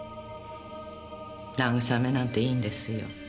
慰めなんていいんですよ。